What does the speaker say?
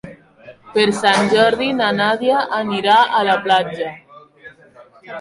Per Sant Jordi na Nàdia anirà a la platja.